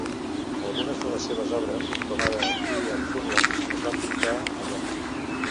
Algunes de les seves obres, com ara "Tea at Furlongs" es van pintar allà.